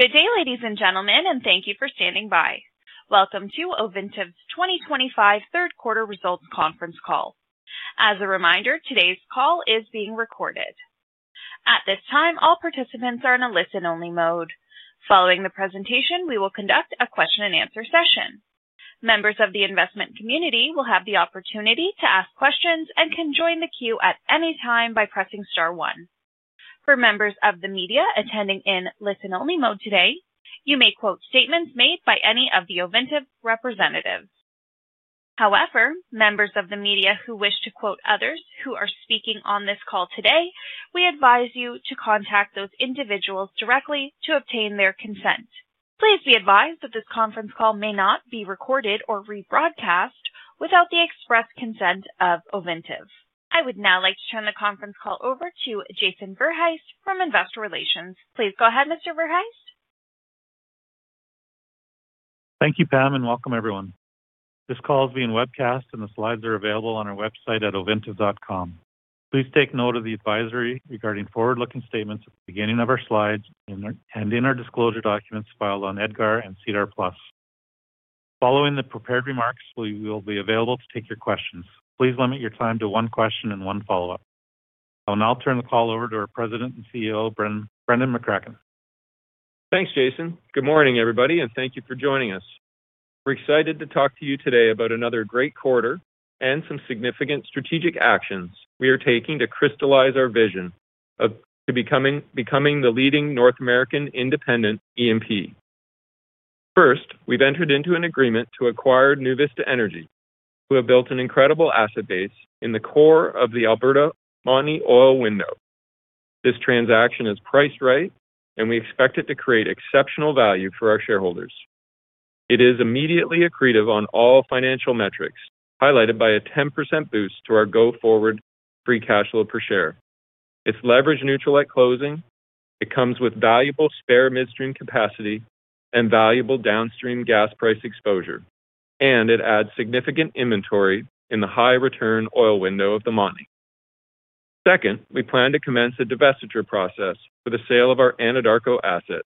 Good day, ladies and gentlemen, and thank you for standing by. Welcome to Ovintiv's 2025 third quarter results conference call. As a reminder, today's call is being recorded. At this time, all participants are in a listen-only mode. Following the presentation, we will conduct a question-and-answer session. Members of the investment community will have the opportunity to ask questions and can join the queue at any time by pressing star one. For members of the media attending in listen-only mode today, you may quote statements made by any of the Ovintiv representatives. However, members of the media who wish to quote others who are speaking on this call today, we advise you to contact those individuals directly to obtain their consent. Please be advised that this conference call may not be recorded or rebroadcast without the express consent of Ovintiv. I would now like to turn the conference call over to Jason Verhaest from Investor Relations. Please go ahead, Mr. Verhaest. Thank you, Pam, and welcome, everyone. This call is being webcast, and the slides are available on our website at ovintiv.com. Please take note of the advisory regarding forward-looking statements at the beginning of our slides and in our disclosure documents filed on EDGAR and SEDAR+. Following the prepared remarks, we will be available to take your questions. Please limit your time to one question and one follow-up. I'll now turn the call over to our President and CEO, Brendan McCracken. Thanks, Jason. Good morning, everybody, and thank you for joining us. We're excited to talk to you today about another great quarter and some significant strategic actions we are taking to crystallize our vision of becoming the leading North American independent E&P. First, we've entered into an agreement to acquire NuVista Energy, who have built an incredible asset base in the core of the Alberta Montney oil window. This transaction is priced right, and we expect it to create exceptional value for our shareholders. It is immediately accretive on all financial metrics, highlighted by a 10% boost to our go-forward free cash flow per share. It's leverage-neutral at closing. It comes with valuable spare midstream capacity and valuable downstream gas price exposure, and it adds significant inventory in the high-return oil window of the Montney. Second, we plan to commence a divestiture process for the sale of our Anadarko assets.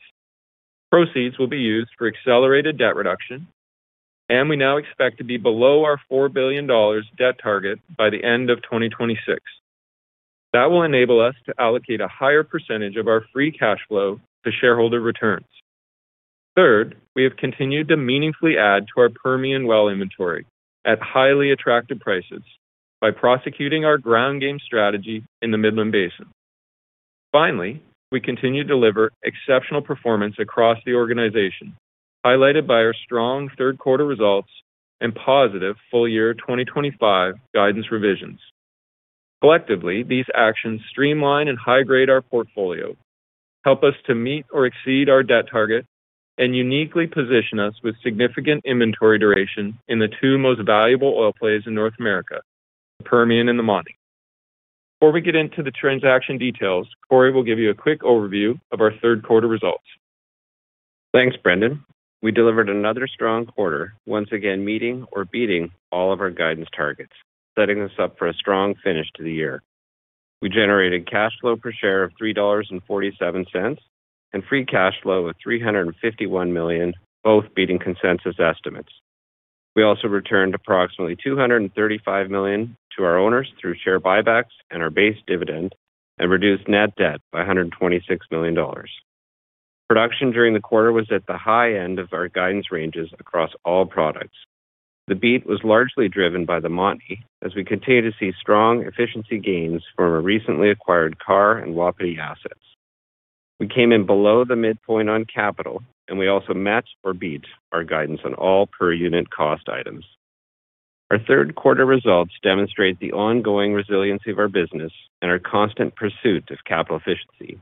Proceeds will be used for accelerated debt reduction, and we now expect to be below our $4 billion debt target by the end of 2026. That will enable us to allocate a higher percentage of our free cash flow to shareholder returns. Third, we have continued to meaningfully add to our Permian well inventory at highly attractive prices by prosecuting our ground game strategy in the Midland Basin. Finally, we continue to deliver exceptional performance across the organization, highlighted by our strong third quarter results and positive full year 2025 guidance revisions. Collectively, these actions streamline and high-grade our portfolio, help us to meet or exceed our debt target, and uniquely position us with significant inventory duration in the two most valuable oil plays in North America, the Permian and the Montney. Before we get into the transaction details, Corey will give you a quick overview of our third quarter results. Thanks, Brendan. We delivered another strong quarter, once again meeting or beating all of our guidance targets, setting us up for a strong finish to the year. We generated cash flow per share of $3.47 and free cash flow of $351 million, both beating consensus estimates. We also returned approximately $235 million to our owners through share buybacks and our base dividend, and reduced net debt by $126 million. Production during the quarter was at the high end of our guidance ranges across all products. The beat was largely driven by the Montney, as we continue to see strong efficiency gains from our recently acquired Carr and Wapiti assets. We came in below the midpoint on capital, and we also matched or beat our guidance on all per unit cost items. Our third quarter results demonstrate the ongoing resiliency of our business and our constant pursuit of capital efficiency.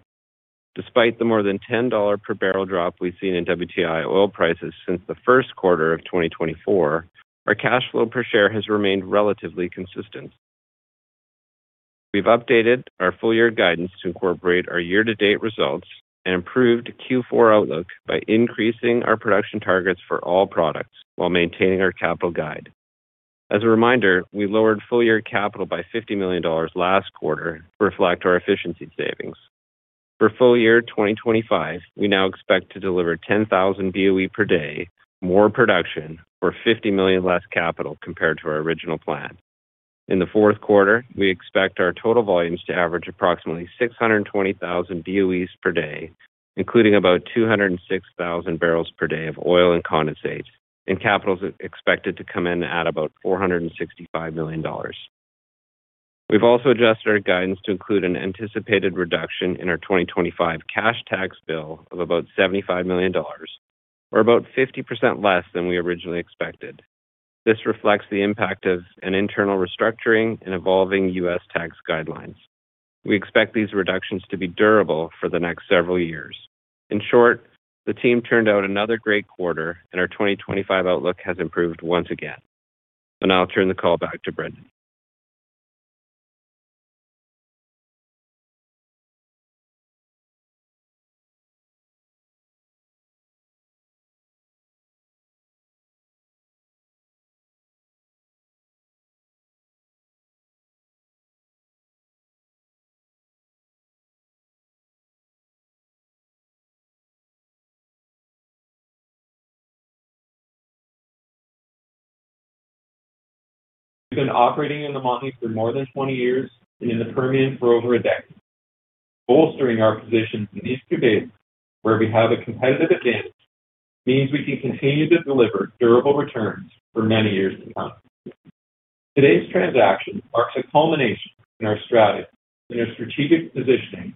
Despite the more than $10 per barrel drop we've seen in WTI oil prices since the first quarter of 2024, our cash flow per share has remained relatively consistent. We've updated our full year guidance to incorporate our year-to-date results and improved Q4 outlook by increasing our production targets for all products while maintaining our capital guide. As a reminder, we lowered full year capital by $50 million last quarter to reflect our efficiency savings. For full year 2025, we now expect to deliver 10,000 BOE per day more production, or $50 million less capital compared to our original plan. In the fourth quarter, we expect our total volumes to average approximately 620,000 BOE per day, including about 206,000 barrels per day of oil and condensate, and capital is expected to come in at about $465 million. We've also adjusted our guidance to include an anticipated reduction in our 2025 cash tax bill of about $75 million, or about 50% less than we originally expected. This reflects the impact of an internal restructuring and evolving U.S. tax guidelines. We expect these reductions to be durable for the next several years. In short, the team turned out another great quarter, and our 2025 outlook has improved once again. I'll now turn the call back to Brendan. We've been operating in the Montney for more than 20 years and in the Permian for over a decade. Bolstering our position in these two basins, where we have a competitive advantage, means we can continue to deliver durable returns for many years to come. Today's transaction marks a culmination in our strategy and our strategic positioning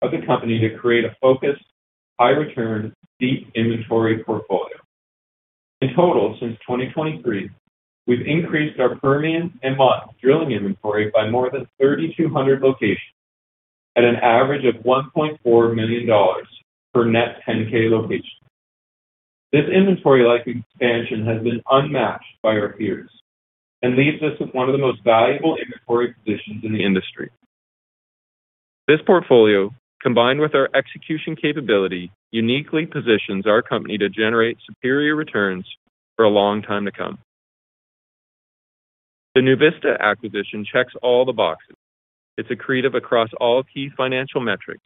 of the company to create a focused, high-return, deep inventory portfolio. In total, since 2023, we've increased our Permian and Montney drilling inventory by more than 3,200 locations at an average of $1.4 million per net 10,000 locations. This inventory-like expansion has been unmatched by our peers and leaves us with one of the most valuable inventory positions in the industry. This portfolio, combined with our execution capability, uniquely positions our company to generate superior returns for a long time to come. The NuVista acquisition checks all the boxes. It's accretive across all key financial metrics.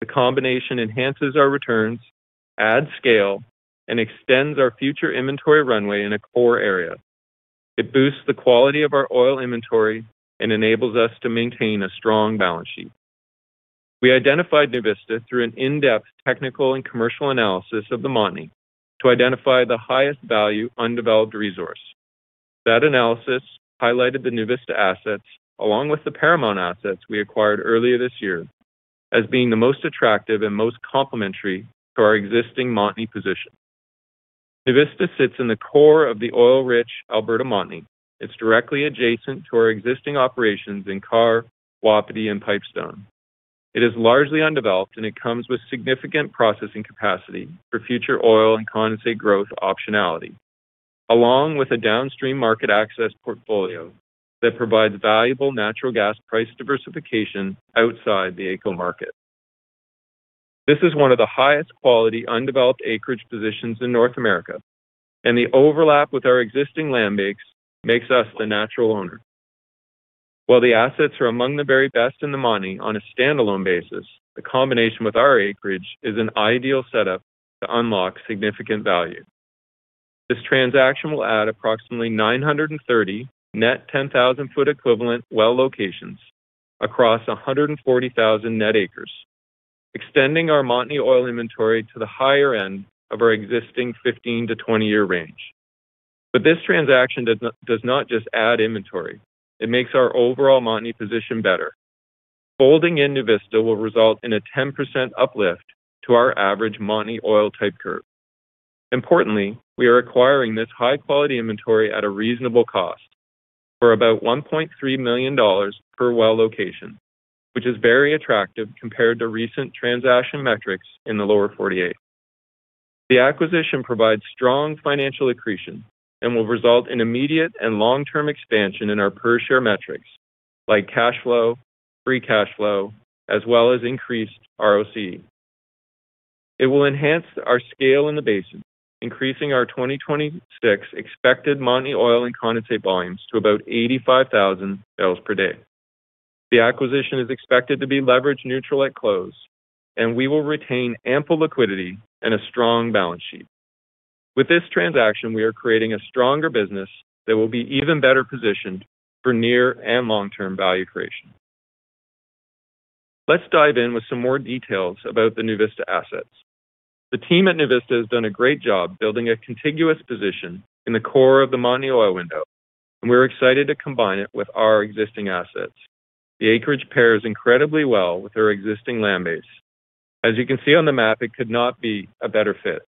The combination enhances our returns, adds scale, and extends our future inventory runway in a core area. It boosts the quality of our oil inventory and enables us to maintain a strong balance sheet. We identified NuVista through an in-depth technical and commercial analysis of the Montney to identify the highest value undeveloped resource. That analysis highlighted the NuVista assets, along with the Paramount assets we acquired earlier this year, as being the most attractive and most complementary to our existing Montney position. NuVista sits in the core of the oil-rich Alberta Montney. It's directly adjacent to our existing operations in Carr, Wapiti, and Pipestone. It is largely undeveloped, and it comes with significant processing capacity for future oil and condensate growth optionality, along with a downstream market access portfolio that provides valuable natural gas price diversification outside the AECO market. This is one of the highest quality undeveloped acreage positions in North America, and the overlap with our existing land makes us the natural owner. While the assets are among the very best in the Montney on a standalone basis, the combination with our acreage is an ideal setup to unlock significant value. This transaction will add approximately 930 net 10,000-foot equivalent well locations across 140,000 net acres, extending our Montney oil inventory to the higher end of our existing 15-20 year range. This transaction does not just add inventory; it makes our overall Montney position better. Folding in NuVista will result in a 10% uplift to our average Montney oil type curve. Importantly, we are acquiring this high-quality inventory at a reasonable cost. For about $1.3 million per well location, which is very attractive compared to recent transaction metrics in the Lower 48. The acquisition provides strong financial accretion and will result in immediate and long-term expansion in our per share metrics, like cash flow, free cash flow, as well as increased ROC. It will enhance our scale in the basin, increasing our 2026 expected Montney oil and condensate volumes to about 85,000 barrels per day. The acquisition is expected to be leverage-neutral at close, and we will retain ample liquidity and a strong balance sheet. With this transaction, we are creating a stronger business that will be even better positioned for near and long-term value creation. Let's dive in with some more details about the NuVista assets. The team at NuVista has done a great job building a contiguous position in the core of the Montney oil window, and we're excited to combine it with our existing assets. The acreage pairs incredibly well with our existing landbase. As you can see on the map, it could not be a better fit.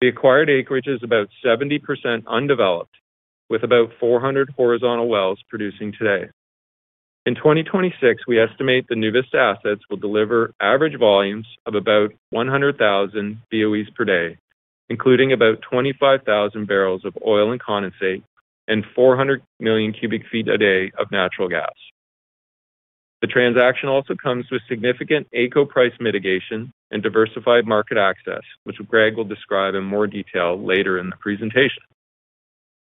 The acquired acreage is about 70% undeveloped, with about 400 horizontal wells producing today. In 2026, we estimate the NuVista assets will deliver average volumes of about 100,000 BOE per day, including about 25,000 barrels of oil and condensate and 400 million cubic feet a day of natural gas. The transaction also comes with significant AECO price mitigation and diversified market access, which Greg will describe in more detail later in the presentation.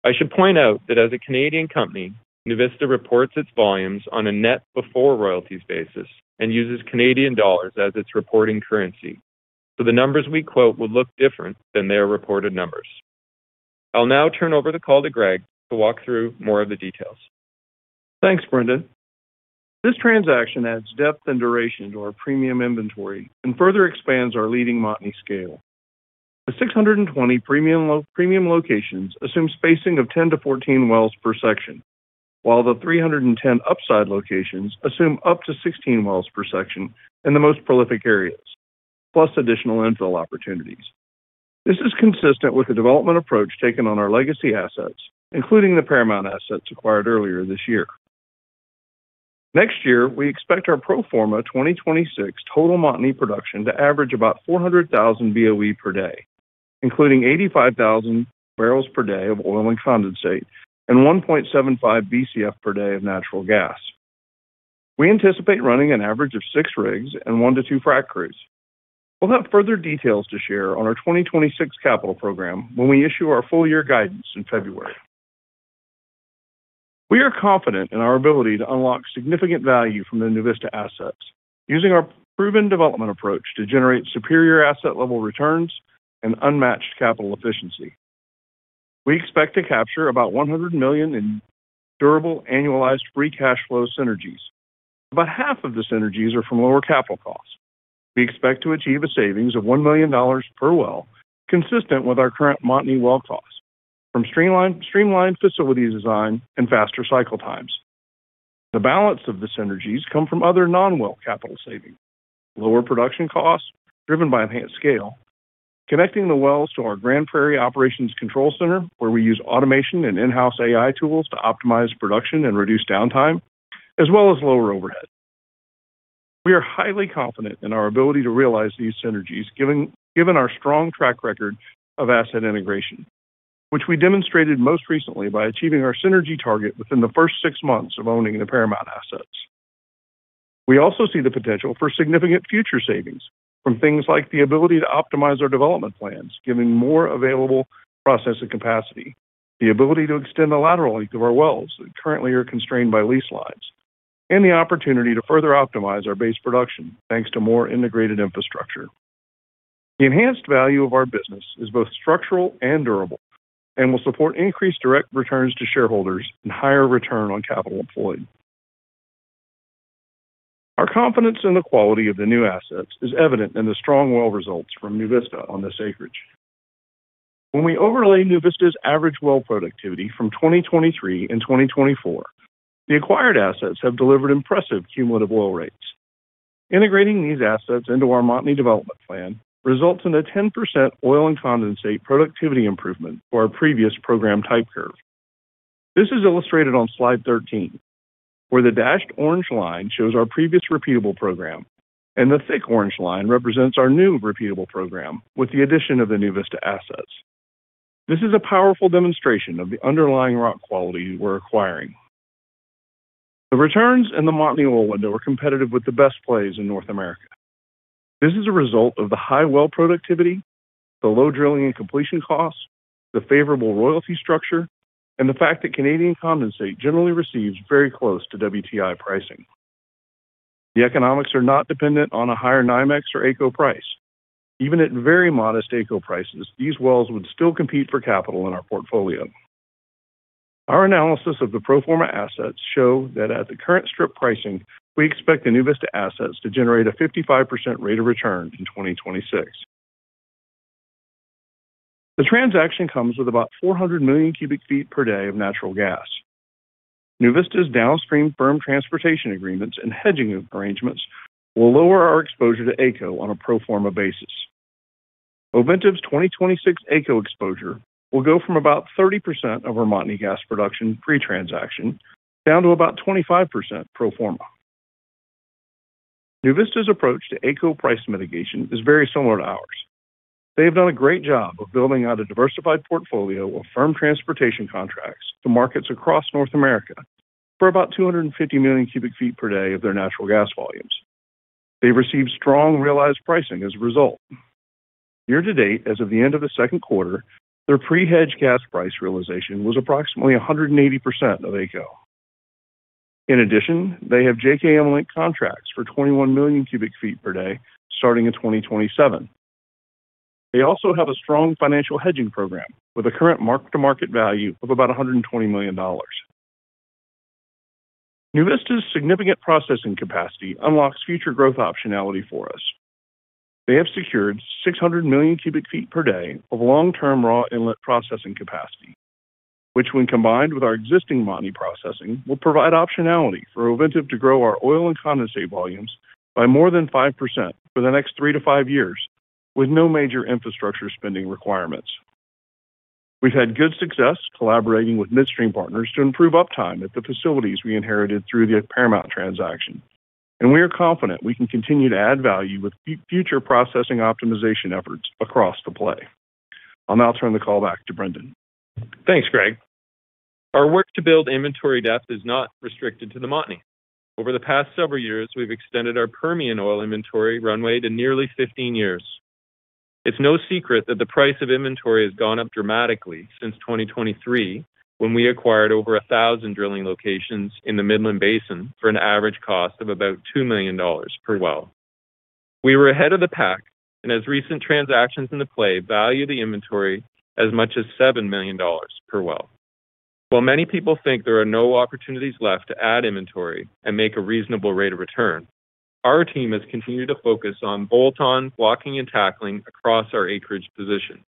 I should point out that as a Canadian company, NuVista reports its volumes on a net before royalties basis and uses Canadian dollars as its reporting currency. So the numbers we quote will look different than their reported numbers. I'll now turn over the call to Greg to walk through more of the details. Thanks, Brendan. This transaction adds depth and duration to our premium inventory and further expands our leading Montney scale. The 620 premium locations assume spacing of 10-14 wells per section, while the 310 upside locations assume up to 16 wells per section in the most prolific areas, plus additional infill opportunities. This is consistent with the development approach taken on our legacy assets, including the Paramount assets acquired earlier this year. Next year, we expect our pro forma 2026 total Montney production to average about 400,000 BOE per day, including 85,000 barrels per day of oil and condensate and 1.75 Bcf per day of natural gas. We anticipate running an average of six rigs and one to two frack crews. We'll have further details to share on our 2026 capital program when we issue our full year guidance in February. We are confident in our ability to unlock significant value from the NuVista assets, using our proven development approach to generate superior asset-level returns and unmatched capital efficiency. We expect to capture about $100 million in durable annualized free cash flow synergies. About half of the synergies are from lower capital costs. We expect to achieve a savings of $1 million per well, consistent with our current Montney well costs, from streamlined facility design and faster cycle times. The balance of the synergies comes from other non-well capital savings, lower production costs driven by enhanced scale, connecting the wells to our Grand Prairie Operations Control Center, where we use automation and in-house AI technology tools to optimize production and reduce downtime, as well as lower overhead. We are highly confident in our ability to realize these synergies, given our strong track record of asset integration, which we demonstrated most recently by achieving our synergy target within the first six months of owning the Paramount assets. We also see the potential for significant future savings from things like the ability to optimize our development plans, giving more available processing capacity, the ability to extend the lateral length of our wells that currently are constrained by lease lines, and the opportunity to further optimize our base production, thanks to more integrated infrastructure. The enhanced value of our business is both structural and durable, and will support increased direct returns to shareholders and higher return on capital employed. Our confidence in the quality of the new assets is evident in the strong well results from NuVista on this acreage. When we overlay NuVista's average well productivity from 2023 and 2024, the acquired assets have delivered impressive cumulative well rates. Integrating these assets into our Montney development plan results in a 10% oil and condensate productivity improvement to our previous program type curve. This is illustrated on slide 13, where the dashed orange line shows our previous repeatable program, and the thick orange line represents our new repeatable program with the addition of the NuVista assets. This is a powerful demonstration of the underlying rock quality we're acquiring. The returns in the Montney oil window are competitive with the best plays in North America. This is a result of the high well productivity, the low drilling and completion costs, the favorable royalty structure, and the fact that Canadian condensate generally receives very close to WTI pricing. The economics are not dependent on a higher NYMEX or AECO price. Even at very modest AECO prices, these wells would still compete for capital in our portfolio. Our analysis of the pro forma assets shows that at the current strip pricing, we expect the NuVista assets to generate a 55% rate of return in 2026. The transaction comes with about 400 million cubic feet per day of natural gas. NuVista's downstream firm transportation agreements and hedging arrangements will lower our exposure to AECO on a pro forma basis. Ovintiv's 2026 AECO exposure will go from about 30% of our Montney gas production pre-transaction down to about 25% pro forma. NuVista's approach to AECO price mitigation is very similar to ours. They have done a great job of building out a diversified portfolio of firm transportation contracts to markets across North America for about 250 million cubic feet per day of their natural gas volumes. They've received strong realized pricing as a result. Year to date, as of the end of the second quarter, their pre-hedged gas price realization was approximately 180% of AECO. In addition, they have JKM-linked contracts for 21 million cubic feet per day starting in 2027. They also have a strong financial hedging program with a current mark-to-market value of about 120 million dollars. NuVista's significant processing capacity unlocks future growth optionality for us. They have secured 600 million cubic feet per day of long-term raw inlet processing capacity, which, when combined with our existing Montney processing, will provide optionality for Ovintiv to grow our oil and condensate volumes by more than 5% for the next three to five years, with no major infrastructure spending requirements. We've had good success collaborating with midstream partners to improve uptime at the facilities we inherited through the Paramount transaction, and we are confident we can continue to add value with future processing optimization efforts across the play. I'll now turn the call back to Brendan. Thanks, Greg. Our work to build inventory depth is not restricted to the Montney. Over the past several years, we've extended our Permian oil inventory runway to nearly 15 years. It's no secret that the price of inventory has gone up dramatically since 2023, when we acquired over 1,000 drilling locations in the Midland Basin for an average cost of about $2 million per well. We were ahead of the pack, and as recent transactions in the play value the inventory as much as $7 million per well. While many people think there are no opportunities left to add inventory and make a reasonable rate of return, our team has continued to focus on bolt-on, blocking, and tackling across our acreage position.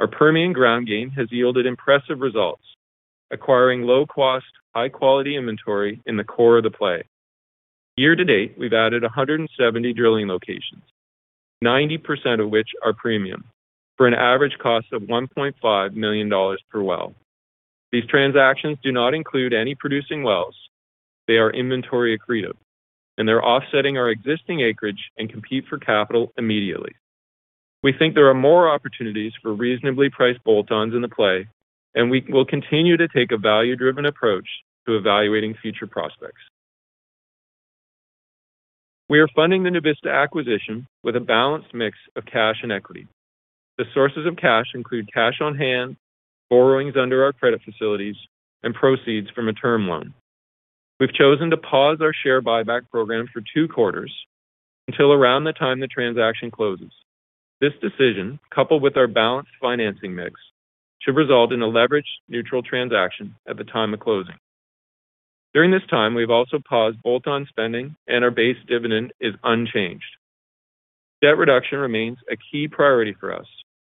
Our Permian ground game has yielded impressive results, acquiring low-cost, high-quality inventory in the core of the play. Year to date, we've added 170 drilling locations, 90% of which are premium, for an average cost of $1.5 million per well. These transactions do not include any producing wells. They are inventory accretive, and they're offsetting our existing acreage and compete for capital immediately. We think there are more opportunities for reasonably priced bolt-ons in the play, and we will continue to take a value-driven approach to evaluating future prospects. We are funding the NuVista acquisition with a balanced mix of cash and equity. The sources of cash include cash on hand, borrowings under our credit facilities, and proceeds from a term loan. We've chosen to pause our share buyback program for two quarters until around the time the transaction closes. This decision, coupled with our balanced financing mix, should result in a leverage neutral transaction at the time of closing. During this time, we've also paused bolt-on spending, and our base dividend is unchanged. Debt reduction remains a key priority for us,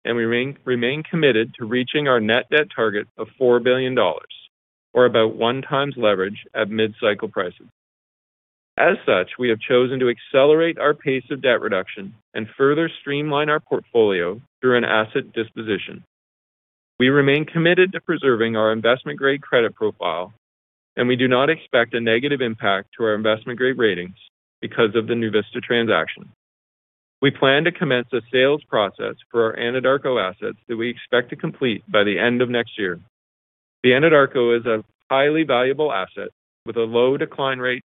and we remain committed to reaching our net debt target of $4 billion, or about one times leverage at mid-cycle prices. As such, we have chosen to accelerate our pace of debt reduction and further streamline our portfolio through an asset disposition. We remain committed to preserving our investment-grade credit profile, and we do not expect a negative impact to our investment-grade ratings because of the NuVista transaction. We plan to commence a sales process for our Anadarko assets that we expect to complete by the end of next year. The Anadarko is a highly valuable asset with a low decline rate,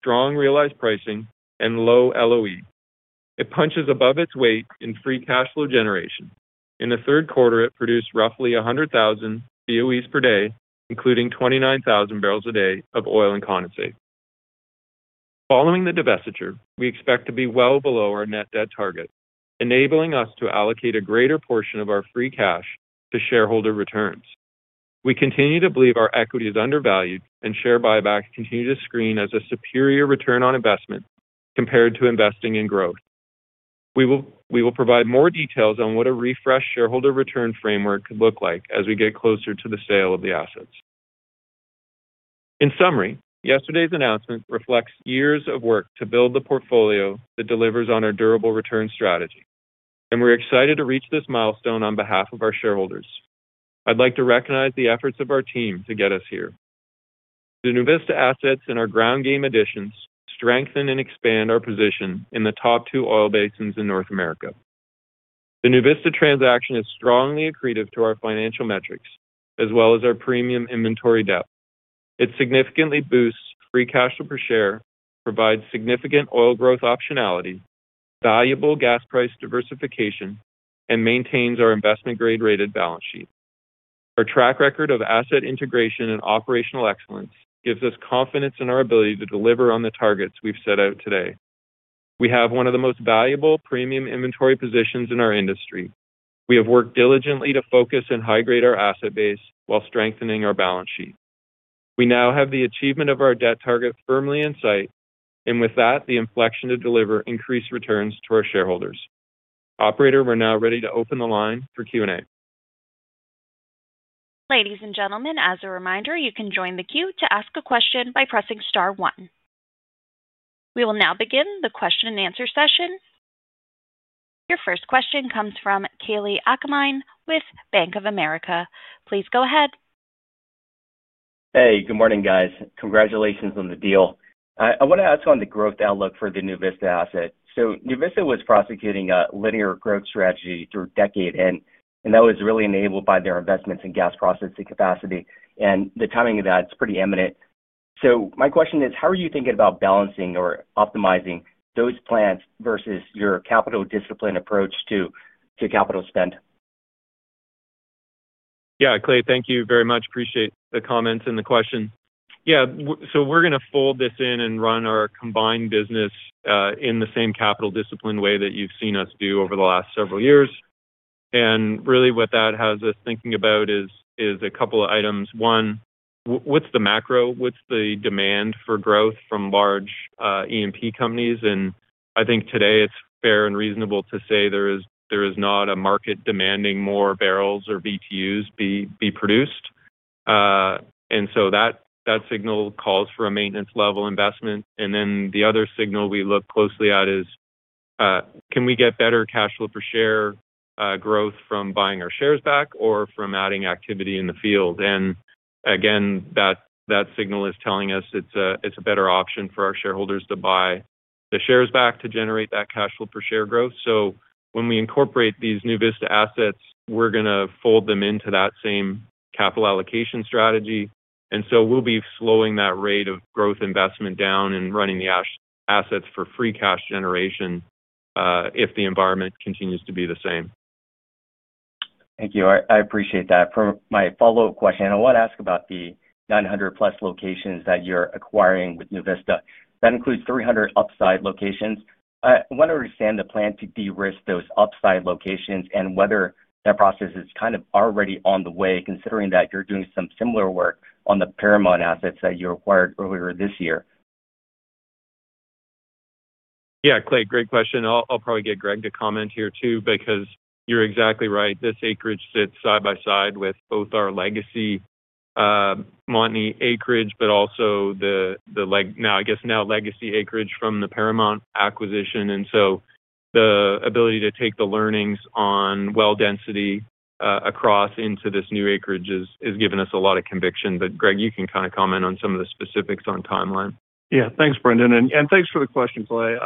strong realized pricing, and low LOE. It punches above its weight in free cash flow generation. In the third quarter, it produced roughly 100,000 BOE per day, including 29,000 barrels a day of oil and condensate. Following the divestiture, we expect to be well below our net debt target, enabling us to allocate a greater portion of our free cash to shareholder returns. We continue to believe our equity is undervalued, and share buyback continues to screen as a superior return on investment compared to investing in growth. We will provide more details on what a refreshed shareholder return framework could look like as we get closer to the sale of the assets. In summary, yesterday's announcement reflects years of work to build the portfolio that delivers on our durable return strategy, and we're excited to reach this milestone on behalf of our shareholders. I'd like to recognize the efforts of our team to get us here. The NuVista assets and our ground game additions strengthen and expand our position in the top two oil basins in North America. The NuVista transaction is strongly accretive to our financial metrics, as well as our premium inventory depth. It significantly boosts free cash flow per share, provides significant oil growth optionality, valuable gas price diversification, and maintains our investment-grade rated balance sheet. Our track record of asset integration and operational excellence gives us confidence in our ability to deliver on the targets we've set out today. We have one of the most valuable premium inventory positions in our industry. We have worked diligently to focus and high-grade our asset base while strengthening our balance sheet. We now have the achievement of our debt target firmly in sight, and with that, the inflection to deliver increased returns to our shareholders. Operator, we're now ready to open the line for Q&A. Ladies and gentlemen, as a reminder, you can join the queue to ask a question by pressing star one. We will now begin the question and answer session. Your first question comes from Kalei Akamine with Bank of America. Please go ahead. Hey, good morning, guys. Congratulations on the deal. I want to ask on the growth outlook for the NuVista asset. So NuVista was prosecuting a linear growth strategy through decade end, and that was really enabled by their investments in gas processing capacity, and the timing of that is pretty imminent. My question is, how are you thinking about balancing or optimizing those plans versus your capital discipline approach to capital spend? Yeah, Kalei, thank you very much. Appreciate the comments and the question. Yeah, we're going to fold this in and run our combined business in the same capital discipline way that you've seen us do over the last several years. What that has us thinking about is a couple of items. One, what's the macro? What's the demand for growth from large E&P companies? I think today it's fair and reasonable to say there is not a market demanding more barrels or BTUs be produced. That signal calls for a maintenance-level investment. The other signal we look closely at is, can we get better cash flow per share growth from buying our shares back or from adding activity in the field? That signal is telling us it's a better option for our shareholders to buy the shares back to generate that cash flow per share growth. When we incorporate these NuVista assets, we're going to fold them into that same capital allocation strategy. We'll be slowing that rate of growth investment down and running the assets for free cash generation if the environment continues to be the same. Thank you. I appreciate that. For my follow-up question, I want to ask about the 900-plus locations that you're acquiring with NuVista. That includes 300 upside locations. I want to understand the plan to de-risk those upside locations and whether that process is kind of already on the way, considering that you're doing some similar work on the Paramount assets that you acquired earlier this year. Yeah, Kalei, great question. I'll probably get Greg to comment here too, because you're exactly right. This acreage sits side by side with both our legacy Montney acreage, but also the now, I guess, now legacy acreage from the Paramount acquisition. The ability to take the learnings on well density across into this new acreage has given us a lot of conviction. Greg, you can kind of comment on some of the specifics on timeline. Yeah, thanks, Brendan. And thanks for the question, Kalei.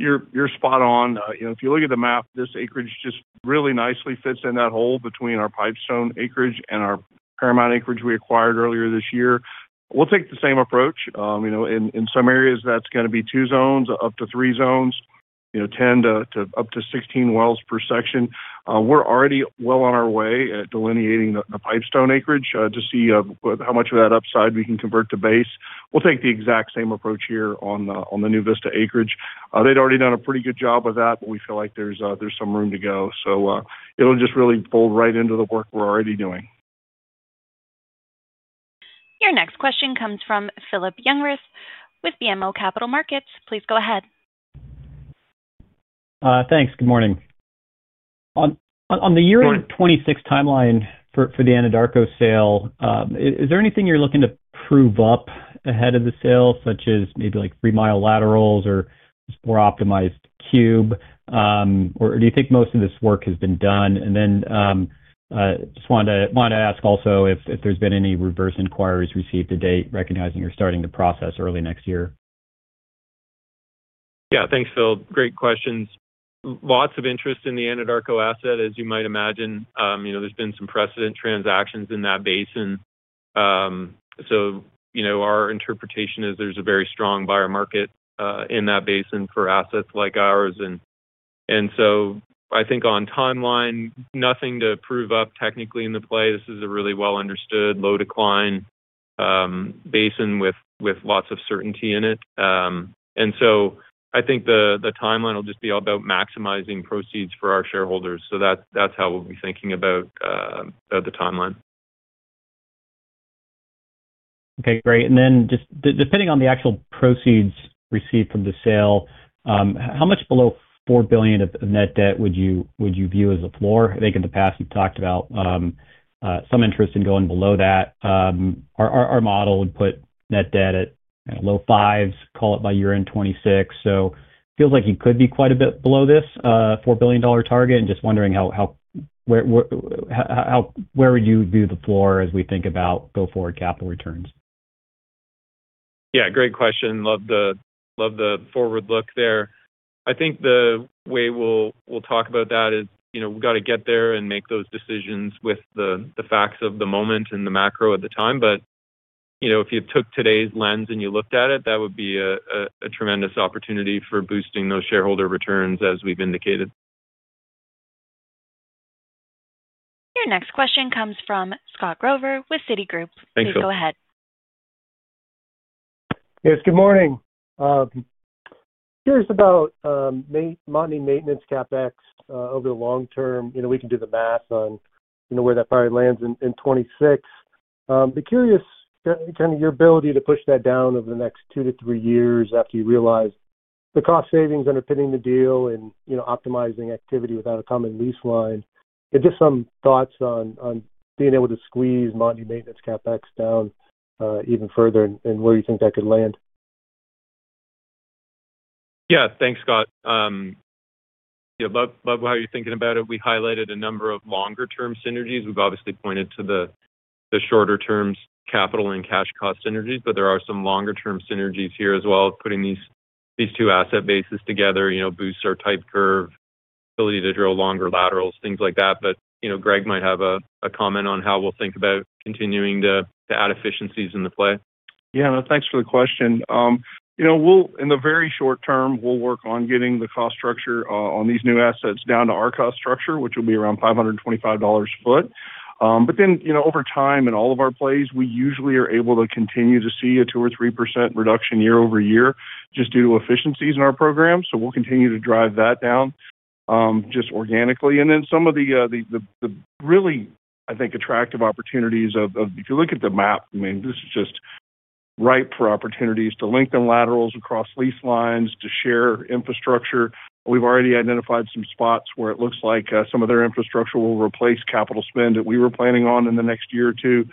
You're spot on. If you look at the map, this acreage just really nicely fits in that hole between our Pipestone acreage and our Paramount acreage we acquired earlier this year. We'll take the same approach. In some areas, that's going to be two zones, up to three zones, 10-16 wells per section. We're already well on our way at delineating the Pipestone acreage to see how much of that upside we can convert to base. We'll take the exact same approach here on the NuVista acreage. They'd already done a pretty good job with that, but we feel like there's some room to go. It will just really fold right into the work we're already doing. Your next question comes from Philip Jungwirth with BMO Capital Markets. Please go ahead. Thanks. Good morning. On the year-end 2026 timeline for the Anadarko sale, is there anything you're looking to prove up ahead of the sale, such as maybe three-mile laterals or more optimized cube? Or do you think most of this work has been done? I just wanted to ask also if there's been any reverse inquiries received to date, recognizing you're starting to process early next year. Yeah, thanks, Phil. Great questions. Lots of interest in the Anadarko asset, as you might imagine. There's been some precedent transactions in that basin. Our interpretation is there's a very strong buyer market in that basin for assets like ours. I think on timeline, nothing to prove up technically in the play. This is a really well-understood, low-decline basin with lots of certainty in it. I think the timeline will just be all about maximizing proceeds for our shareholders. That's how we'll be thinking about the timeline. Okay, great. Just depending on the actual proceeds received from the sale, how much below $4 billion of net debt would you view as a floor? I think in the past, you've talked about some interest in going below that. Our model would put net debt at low fives, call it by year-end 2026. It feels like you could be quite a bit below this $4 billion target. Just wondering where would you view the floor as we think about go forward capital returns? Yeah, great question. Love the forward look there. I think the way we'll talk about that is we've got to get there and make those decisions with the facts of the moment and the macro at the time. If you took today's lens and you looked at it, that would be a tremendous opportunity for boosting those shareholder returns as we've indicated. Your next question comes from Scott Gruber with Citigroup. Thanks, Phil. Please go ahead. Yes, good morning. Curious about Montney maintenance CapEx over the long term. We can do the math on where that probably lands in 2026. Curious kind of your ability to push that down over the next two to three years after you realize the cost savings underpinning the deal and optimizing activity without a common lease line. Just some thoughts on being able to squeeze Montney maintenance CapEx down even further and where you think that could land. Yeah, thanks, Scott. I love how you're thinking about it. We highlighted a number of longer-term synergies. We've obviously pointed to the shorter-term capital and cash cost synergies, but there are some longer-term synergies here as well. Putting these two asset bases together boosts our type curve, ability to drill longer laterals, things like that. Greg might have a comment on how we'll think about continuing to add efficiencies in the play. Yeah, thanks for the question. In the very short term, we'll work on getting the cost structure on these new assets down to our cost structure, which will be around $525 a foot. Over time in all of our plays, we usually are able to continue to see a 2% or 3% reduction year-over-year just due to efficiencies in our program. We'll continue to drive that down just organically. Some of the really, I think, attractive opportunities, if you look at the map, I mean, this is just ripe for opportunities to link them laterals across lease lines to share infrastructure. We've already identified some spots where it looks like some of their infrastructure will replace capital spend that we were planning on in the next year or two.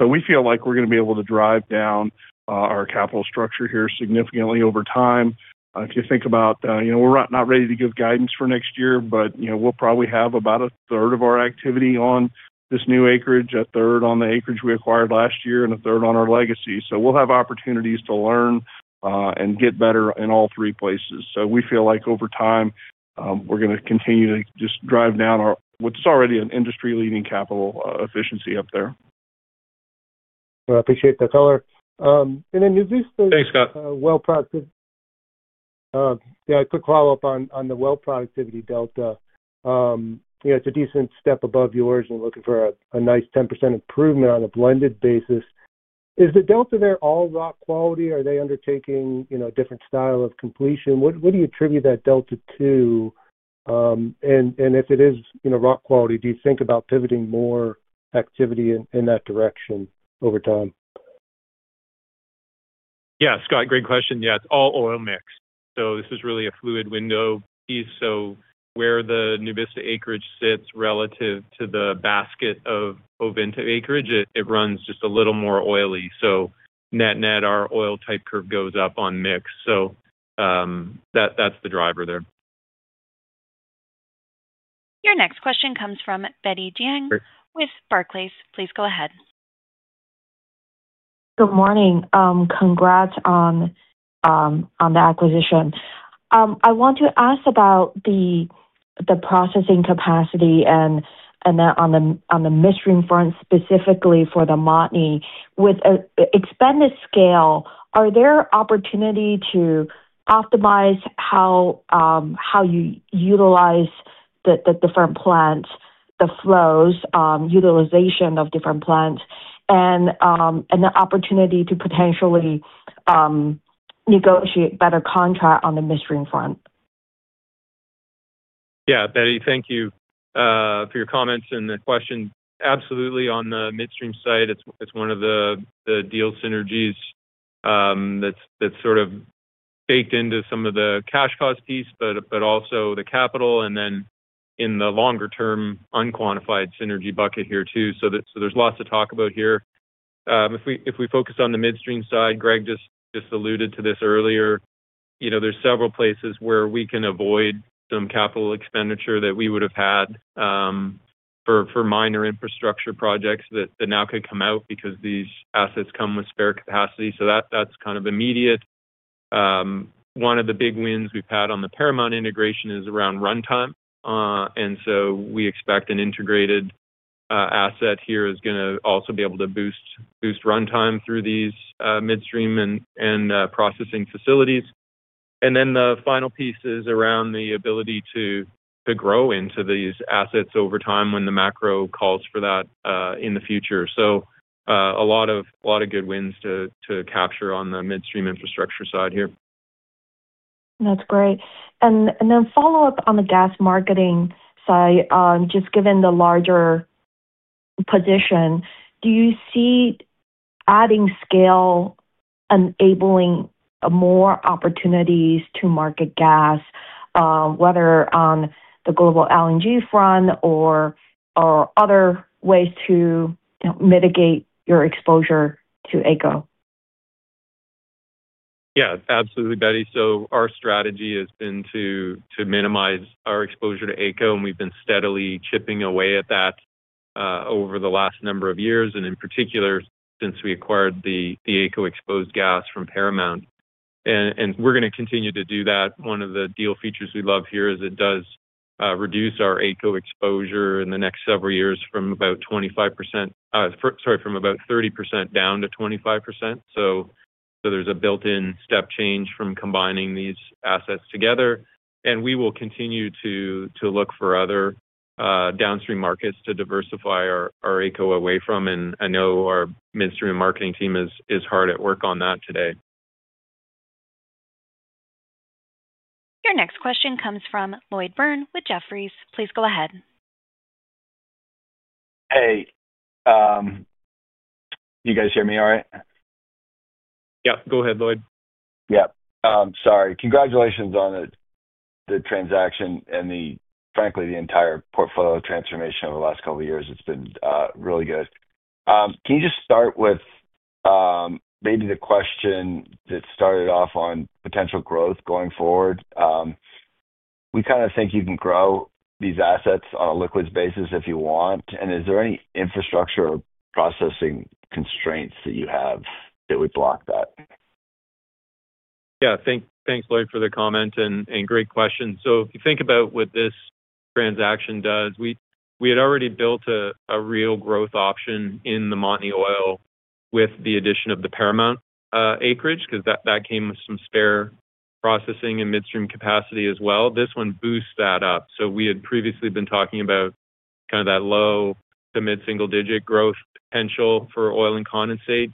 We feel like we're going to be able to drive down our capital structure here significantly over time. If you think about it, we're not ready to give guidance for next year, but we'll probably have about a third of our activity on this new acreage, a third on the acreage we acquired last year, and a third on our legacy. We'll have opportunities to learn and get better in all three places. We feel like over time, we're going to continue to just drive down what's already an industry-leading capital efficiency up there. I appreciate that, Tyler. And then NuVista. Thanks, Scott. Yeah, a quick follow-up on the well productivity delta. It's a decent step above yours and looking for a nice 10% improvement on a blended basis. Is the delta there all rock quality? Are they undertaking a different style of completion? What do you attribute that delta to? If it is rock quality, do you think about pivoting more activity in that direction over time? Yeah, Scott, great question. Yeah, it's all oil mix. This is really a fluid window piece. Where the NuVista acreage sits relative to the basket of Ovintiv acreage, it runs just a little more oily. Net net, our oil type curve goes up on mix. That's the driver there. Your next question comes from Betty Jiang with Barclays. Please go ahead. Good morning. Congrats on the acquisition. I want to ask about the processing capacity and then on the midstream front specifically for the Montney. With expanded scale, are there opportunities to optimize how you utilize the different plants, the flows, utilization of different plants, and the opportunity to potentially negotiate better contract on the midstream front? Yeah, Betty, thank you for your comments and the question. Absolutely, on the midstream side, it's one of the deal synergies. That's sort of baked into some of the cash cost piece, but also the capital, and then in the longer-term unquantified synergy bucket here too. There is lots to talk about here. If we focus on the midstream side, Greg just alluded to this earlier, there are several places where we can avoid some capital expenditure that we would have had. For minor infrastructure projects that now could come out because these assets come with spare capacity. That's kind of immediate. One of the big wins we've had on the Paramount integration is around runtime. We expect an integrated asset here is going to also be able to boost runtime through these midstream and processing facilities. The final piece is around the ability to. Grow into these assets over time when the macro calls for that in the future. A lot of good wins to capture on the midstream infrastructure side here. That's great. Then, follow-up on the gas marketing side, just given the larger position, do you see adding scale enabling more opportunities to market gas, whether on the global LNG front or other ways to mitigate your exposure to AECO? Yeah, absolutely, Betty. Our strategy has been to minimize our exposure to AECO, and we've been steadily chipping away at that over the last number of years, and in particular since we acquired the AECO-exposed gas from Paramount. We're going to continue to do that. One of the deal features we love here is it does reduce our AECO exposure in the next several years from about 30% down to 25%. There's a built-in step change from combining these assets together. We will continue to look for other downstream markets to diversify our AECO away from, and I know our midstream marketing team is hard at work on that today. Your next question comes from Lloyd Byrne with Jefferies. Please go ahead. Hey. You guys hear me all right? Yeah, go ahead, Lloyd. Yeah. Sorry. Congratulations on the transaction and, frankly, the entire portfolio transformation over the last couple of years. It's been really good. Can you just start with maybe the question that started off on potential growth going forward? We kind of think you can grow these assets on a liquids basis if you want. Is there any infrastructure or processing constraints that you have that would block that? Yeah, thanks, Lloyd, for the comment and great question. If you think about what this transaction does, we had already built a real growth option in the Montney oil with the addition of the Paramount acreage because that came with some spare processing and midstream capacity as well. This one boosts that up. We had previously been talking about kind of that low to mid-single digit growth potential for oil and condensate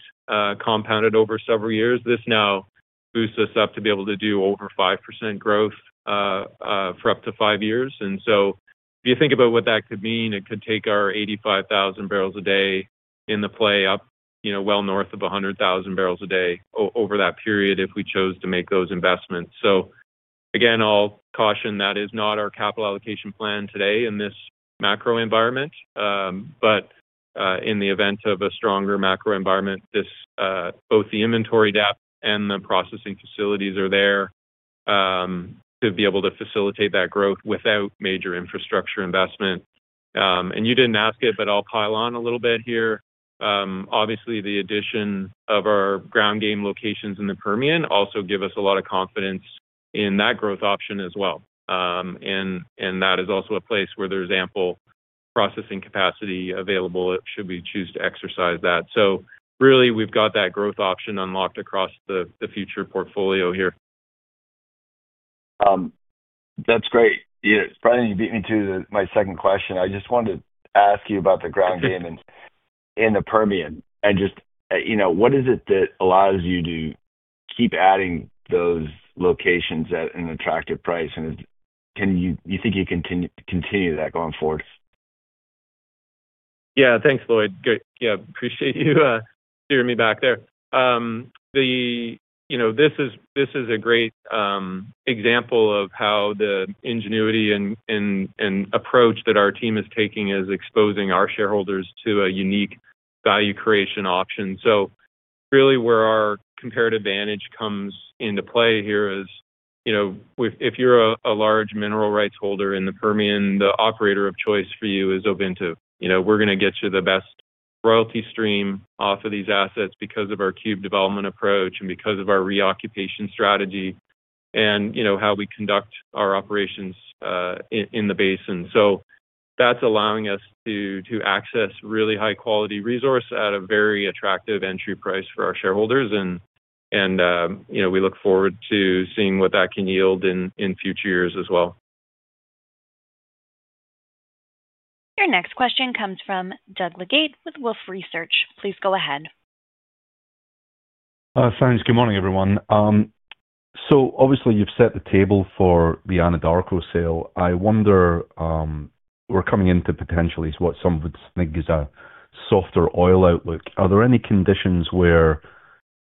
compounded over several years. This now boosts us up to be able to do over 5% growth for up to five years. If you think about what that could mean, it could take our 85,000 barrels a day in the play up well north of 100,000 barrels a day over that period if we chose to make those investments. Again, I'll caution that is not our capital allocation plan today in this macro environment. In the event of a stronger macro environment, both the inventory depth and the processing facilities are there to be able to facilitate that growth without major infrastructure investment. You did not ask it, but I'll pile on a little bit here. Obviously, the addition of our ground game locations in the Permian also gives us a lot of confidence in that growth option as well. That is also a place where there is ample processing capacity available, should we choose to exercise that. Really, we've got that growth option unlocked across the future portfolio here. That's great. It's probably going to beat me to my second question. I just wanted to ask you about the ground game in the Permian. What is it that allows you to keep adding those locations at an attractive price? Do you think you can continue that going forward? Yeah, thanks, Lloyd. Yeah, appreciate you steering me back there. This is a great example of how the ingenuity and approach that our team is taking is exposing our shareholders to a unique value creation option. Really, where our comparative advantage comes into play here is, if you're a large mineral rights holder in the Permian, the operator of choice for you is Ovintiv. We're going to get you the best royalty stream off of these assets because of our cube development approach and because of our reoccupation strategy and how we conduct our operations in the basin. That is allowing us to access really high-quality resource at a very attractive entry price for our shareholders. We look forward to seeing what that can yield in future years as well. Your next question comes from Doug Leggate with Wolfe Research. Please go ahead. Thanks. Good morning, everyone. Obviously, you've set the table for the Anadarko sale. I wonder, we're coming into potentially what some would think is a softer oil outlook. Are there any conditions where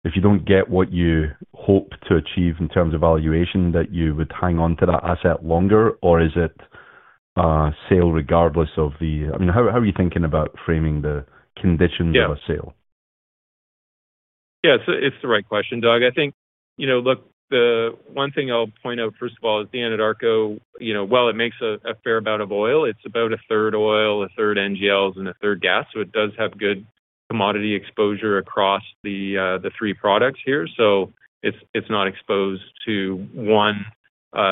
if you don't get what you hope to achieve in terms of valuation, that you would hang on to that asset longer, or is it sale regardless of the—I mean, how are you thinking about framing the conditions of a sale? Yeah, it's the right question, Doug. I think, look, the one thing I'll point out, first of all, is the Anadarko, while it makes a fair amount of oil, it's about a third oil, a third NGLs, and a third gas. It does have good commodity exposure across the three products here. It is not exposed to one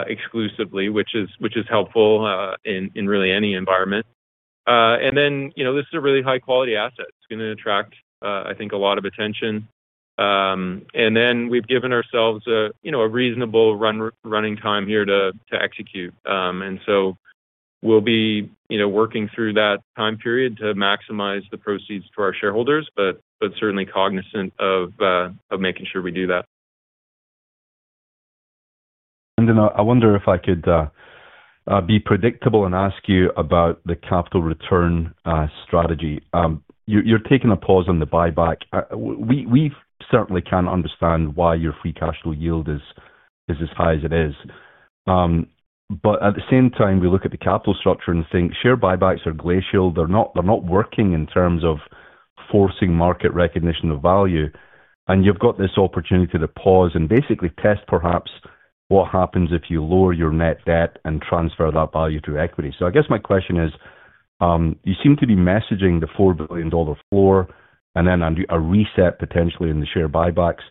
exclusively, which is helpful in really any environment. This is a really high-quality asset. It's going to attract, I think, a lot of attention. We have given ourselves a reasonable running time here to execute. We will be working through that time period to maximize the proceeds to our shareholders, but certainly cognizant of making sure we do that. I wonder if I could be predictable and ask you about the capital return strategy. You're taking a pause on the buyback. We certainly can understand why your free cash flow yield is as high as it is. At the same time, we look at the capital structure and think share buybacks are glacial. They're not working in terms of forcing market recognition of value. You have this opportunity to pause and basically test perhaps what happens if you lower your net debt and transfer that value to equity. I guess my question is, you seem to be messaging the $4 billion floor and then a reset potentially in the share buybacks.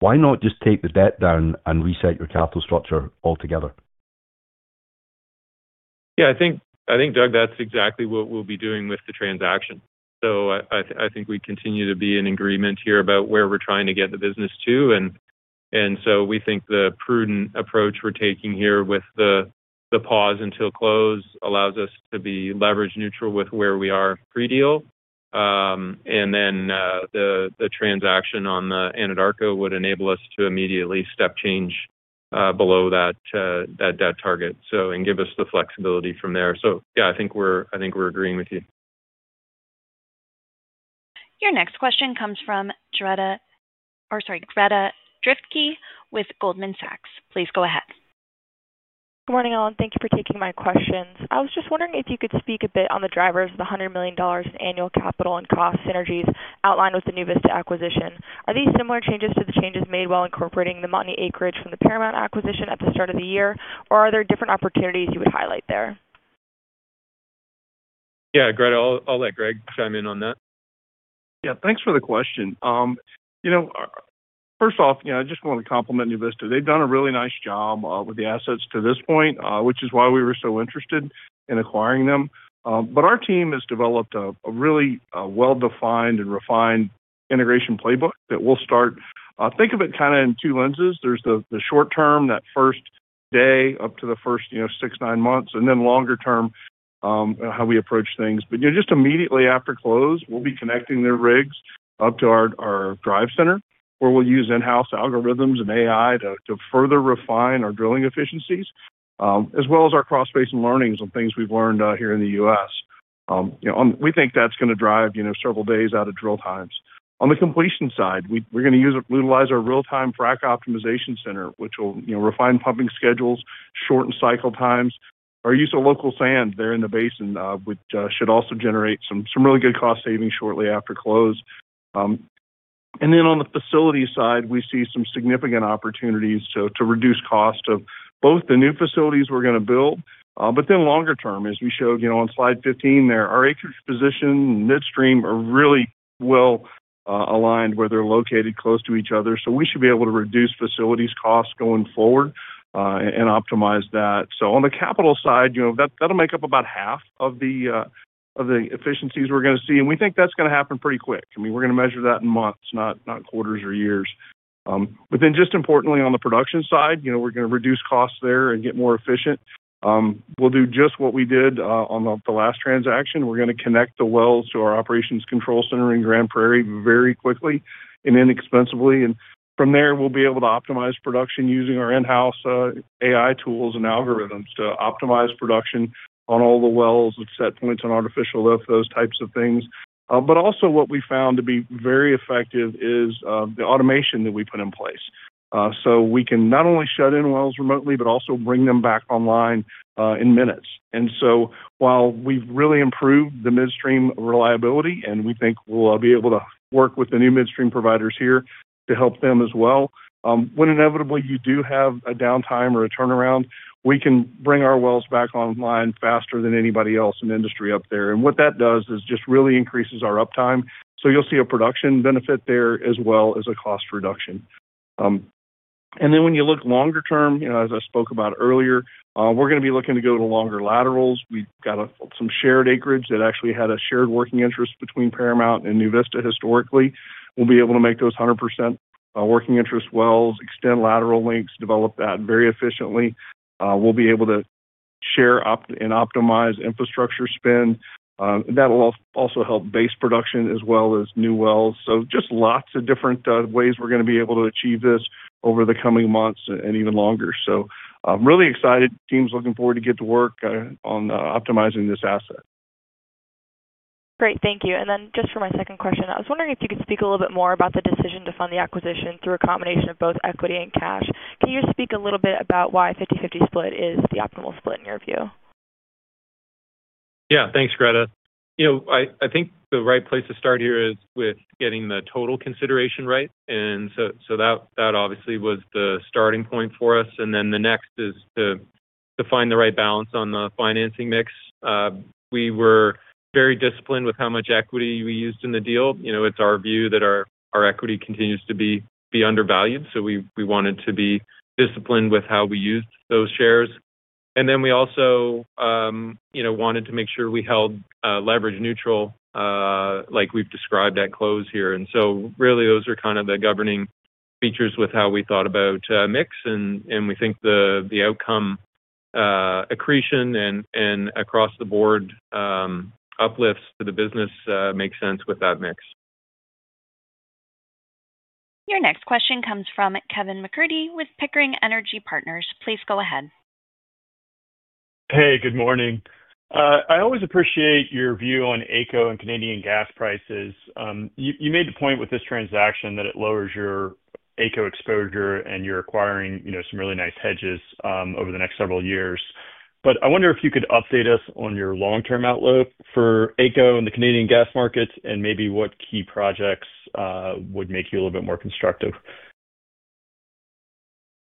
Why not just take the debt down and reset your capital structure altogether? Yeah, I think, Doug, that's exactly what we'll be doing with the transaction. I think we continue to be in agreement here about where we're trying to get the business to. We think the prudent approach we're taking here with the pause until close allows us to be leverage neutral with where we are pre-deal. The transaction on the Anadarko would enable us to immediately step change below that debt target and give us the flexibility from there. Yeah, I think we're agreeing with you. Your next question comes from, Dretta, or sorry, Greta Drefke with Goldman Sachs. Please go ahead. Good morning, all. Thank you for taking my questions. I was just wondering if you could speak a bit on the drivers of the $100 million in annual capital and cost synergies outlined with the NuVista acquisition. Are these similar changes to the changes made while incorporating the Montney acreage from the Paramount acquisition at the start of the year, or are there different opportunities you would highlight there? Yeah, I'll let Greg chime in on that. Yeah, thanks for the question. First off, I just want to compliment NuVista. They've done a really nice job with the assets to this point, which is why we were so interested in acquiring them. Our team has developed a really well-defined and refined integration playbook that we'll start—think of it kind of in two lenses. There's the short term, that first day up to the first six, nine months, and then longer term. How we approach things. Just immediately after close, we'll be connecting their rigs up to our drive center, where we'll use in-house algorithms and AI to further refine our drilling efficiencies, as well as our cross-facing learnings on things we've learned here in the U.S. We think that's going to drive several days out of drill times. On the completion side, we're going to utilize our real-time frac optimization center, which will refine pumping schedules, shorten cycle times. Our use of local sand there in the basin should also generate some really good cost savings shortly after close. On the facility side, we see some significant opportunities to reduce cost of both the new facilities we're going to build, but then longer term, as we showed on slide 15 there, our acreage position midstream are really well aligned where they're located close to each other. We should be able to reduce facilities costs going forward and optimize that. On the capital side, that'll make up about half of the efficiencies we're going to see. We think that's going to happen pretty quick. I mean, we're going to measure that in months, not quarters or years. Just as importantly, on the production side, we're going to reduce costs there and get more efficient. We'll do just what we did on the last transaction. We're going to connect the wells to our operations control center in Grand Prairie very quickly and inexpensively. From there, we'll be able to optimize production using our in-house AI tools and algorithms to optimize production on all the wells and set points on artificial lift, those types of things. Also, what we found to be very effective is the automation that we put in place. We can not only shut in wells remotely, but also bring them back online in minutes. While we've really improved the midstream reliability, and we think we'll be able to work with the new midstream providers here to help them as well, when inevitably you do have a downtime or a turnaround, we can bring our wells back online faster than anybody else in the industry up there. What that does is just really increases our uptime. You'll see a production benefit there as well as a cost reduction. When you look longer term, as I spoke about earlier, we're going to be looking to go to longer laterals. We've got some shared acreage that actually had a shared working interest between Paramount and NuVista historically. We'll be able to make those 100% working interest wells, extend lateral lengths, develop that very efficiently. We'll be able to share up and optimize infrastructure spend. That will also help base production as well as new wells. Just lots of different ways we're going to be able to achieve this over the coming months and even longer. I'm really excited. Team's looking forward to get to work on optimizing this asset. Great. Thank you. For my second question, I was wondering if you could speak a little bit more about the decision to fund the acquisition through a combination of both equity and cash. Can you just speak a little bit about why a 50/50 split is the optimal split in your view? Yeah, thanks, Greta. I think the right place to start here is with getting the total consideration right. That obviously was the starting point for us. The next is to find the right balance on the financing mix. We were very disciplined with how much equity we used in the deal. It's our view that our equity continues to be undervalued. We wanted to be disciplined with how we used those shares. We also wanted to make sure we held leverage neutral, like we've described at close here. Really, those are kind of the governing features with how we thought about a mix. We think the outcome, accretion, and across the board uplifts to the business make sense with that mix. Your next question comes from Kevin MacCurdy with Pickering Energy Partners. Please go ahead. Hey, good morning. I always appreciate your view on AECO and Canadian gas prices. You made the point with this transaction that it lowers your AECO exposure and you're acquiring some really nice hedges over the next several years. I wonder if you could update us on your long-term outlook for AECO and the Canadian gas markets and maybe what key projects would make you a little bit more constructive.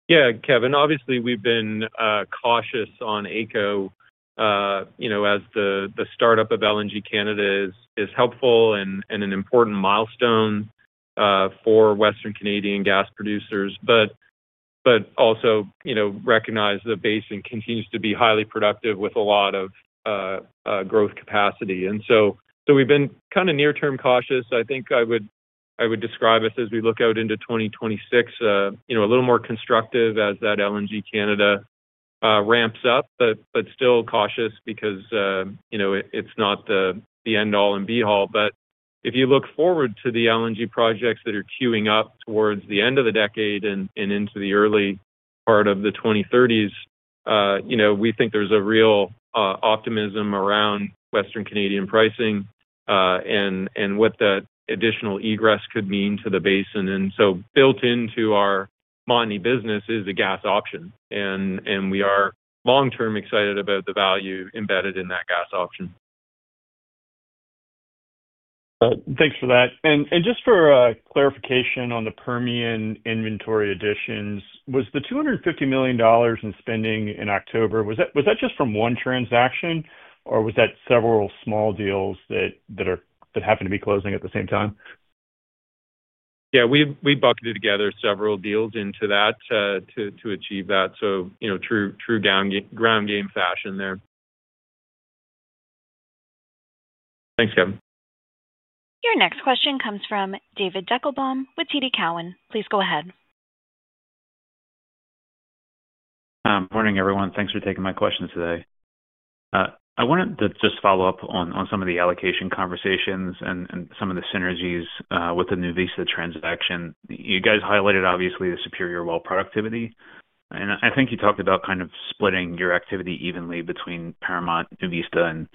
Yeah, Kevin, obviously, we've been cautious on AECO. The startup of LNG Canada is helpful and an important milestone for Western Canadian gas producers. I also recognize the basin continues to be highly productive with a lot of growth capacity. We've been kind of near-term cautious. I think I would describe us as, as we look out into 2026, a little more constructive as LNG Canada ramps up, but still cautious because. It's not the end-all and be-all. If you look forward to the LNG projects that are queuing up towards the end of the decade and into the early part of the 2030s, we think there's a real optimism around Western Canadian pricing. What the additional egress could mean to the basin. Built into our Montney business is a gas option, and we are long-term excited about the value embedded in that gas option. Thanks for that. Just for clarification on the Permian inventory additions, was the $250 million in spending in October just from one transaction, or was that several small deals that happened to be closing at the same time? Yeah, we bucketed together several deals into that to achieve that. True ground game fashion there. Thanks, Kevin. Your next question comes from David Deckelbaum with TD Cowen. Please go ahead. Morning, everyone. Thanks for taking my questions today. I wanted to just follow up on some of the allocation conversations and some of the synergies with the NuVista transaction. You guys highlighted, obviously, the superior well productivity. And I think you talked about kind of splitting your activity evenly between Paramount, NuVista, and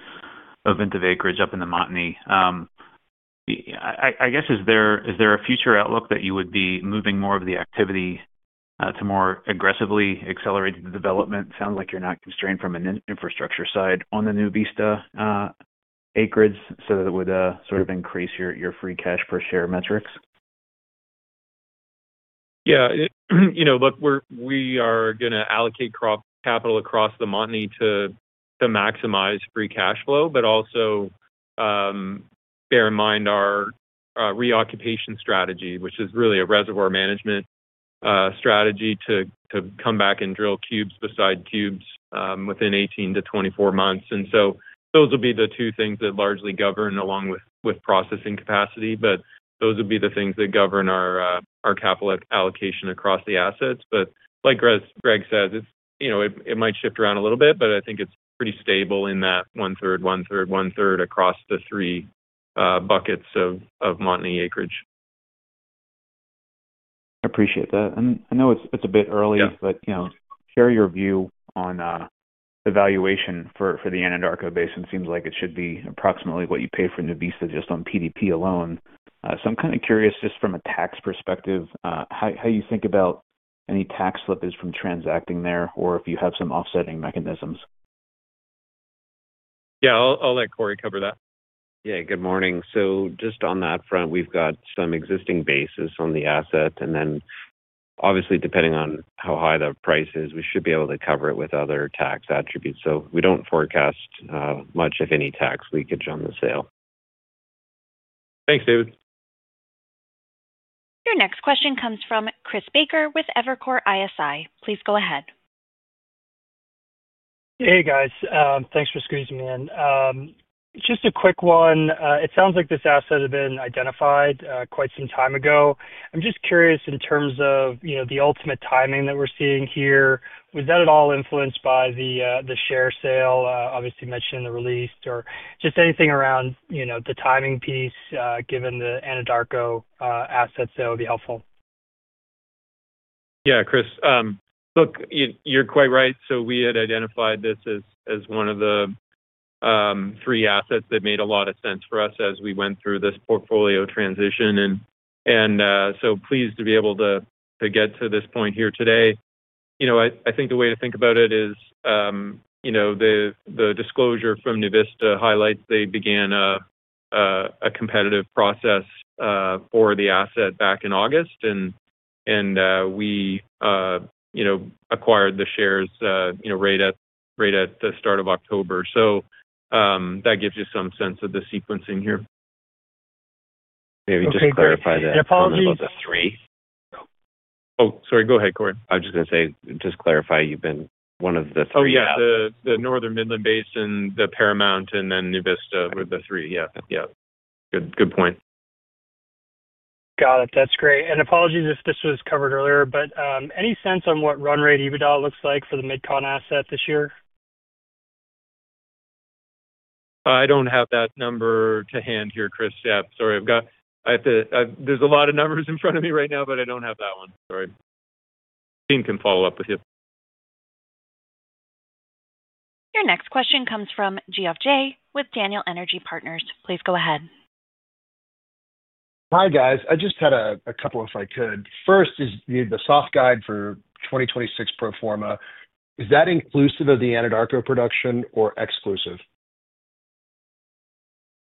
a bit of acreage up in the Montney. I guess, is there a future outlook that you would be moving more of the activity to more aggressively accelerate the development? Sounds like you're not constrained from an infrastructure side on the NuVista acreage so that it would sort of increase your free cash per share metrics. Yeah. Look, we are going to allocate capital across the Montney to maximize free cash flow, but also bear in mind our reoccupation strategy, which is really a reservoir management strategy to come back and drill cubes beside cubes within 18-24 months. Those will be the two things that largely govern, along with processing capacity. Those would be the things that govern our capital allocation across the assets. Like Greg says, it might shift around a little bit, but I think it is pretty stable in that one-third, one-third, one-third across the three buckets of Montney acreage. I appreciate that. I know it's a bit early, but share your view on the valuation for the Anadarko Basin. It seems like it should be approximately what you pay for NuVista just on PDP alone. I'm kind of curious just from a tax perspective, how you think about any tax slippage from transacting there or if you have some offsetting mechanisms. Yeah, I'll let Corey cover that. Yeah, good morning. Just on that front, we've got some existing basis on the asset. Obviously, depending on how high the price is, we should be able to cover it with other tax attributes. We don't forecast much, if any, tax leakage on the sale. Thanks, David. Your next question comes from Chris Baker with Evercore ISI. Please go ahead. Hey, guys. Thanks for squeezing me in. Just a quick one. It sounds like this asset had been identified quite some time ago. I'm just curious in terms of the ultimate timing that we're seeing here, was that at all influenced by the share sale, obviously mentioned in the release, or just anything around the timing piece given the Anadarko assets that would be helpful? Yeah, Chris. Look, you're quite right. We had identified this as one of the three assets that made a lot of sense for us as we went through this portfolio transition. Pleased to be able to get to this point here today. I think the way to think about it is the disclosure from NuVista highlights they began a competitive process for the asset back in August. We acquired the shares right at the start of October. That gives you some sense of the sequencing here. Maybe just clarify that. I'm sorry. I apologize. About the three. Oh, sorry. Go ahead, Corey. I was just going to say, just to clarify, you've been one of the three. Oh, yeah. The Northern Midland Basin, the Paramount, and then NuVista were the three. Yeah. Yeah. Good point. Got it. That's great. Apologies if this was covered earlier, but any sense on what run rate EBITDA looks like for the mid-con asset this year? I don't have that number to hand here, Chris. Yeah, sorry. There's a lot of numbers in front of me right now, but I don't have that one. Sorry. Team can follow up with you. Your next question comes from Geoff Jay with Daniel Energy Partners. Please go ahead. Hi, guys. I just had a couple if I could. First is the soft guide for 2026 pro forma. Is that inclusive of the Anadarko production or exclusive?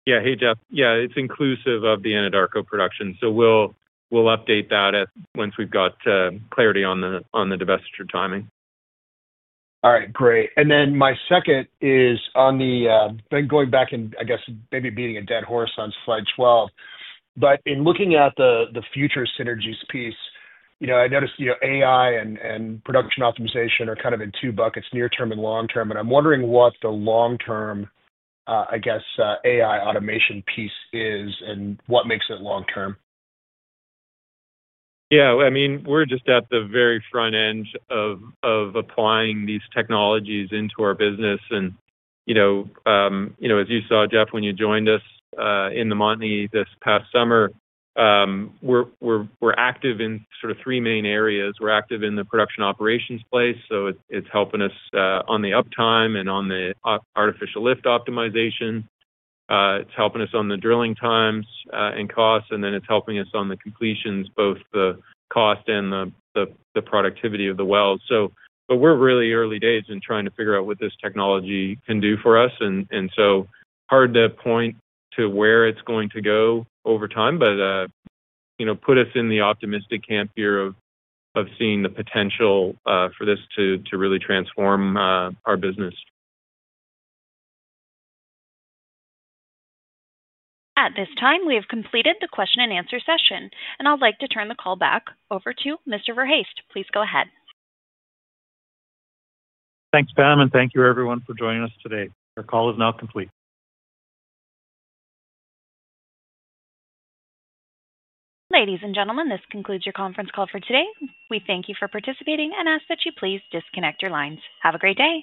Yeah. Hey, Geoff. Yeah, it's inclusive of the Anadarko production. We'll update that once we've got clarity on the divestiture timing. All right. Great. Then my second is on the, going back and, I guess, maybe beating a dead horse on slide 12. In looking at the future synergies piece, I noticed AI and production optimization are kind of in two buckets, near-term and long-term. I am wondering what the long-term, I guess, AI automation piece is and what makes it long-term. Yeah. I mean, we're just at the very front end of applying these technologies into our business. As you saw, Jeff, when you joined us in the Montney this past summer, we're active in sort of three main areas. We're active in the production operations place, so it's helping us on the uptime and on the artificial lift optimization. It's helping us on the drilling times and costs. It's helping us on the completions, both the cost and the productivity of the wells. We're really early days in trying to figure out what this technology can do for us. It's hard to point to where it's going to go over time, but put us in the optimistic camp here of seeing the potential for this to really transform our business. At this time, we have completed the question and answer session. I would like to turn the call back over to Mr. Verhaest. Please go ahead. Thanks, Pam. Thank you, everyone, for joining us today. Our call is now complete. Ladies and gentlemen, this concludes your conference call for today. We thank you for participating and ask that you please disconnect your lines. Have a great day.